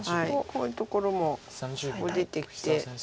こういうところも出てきて。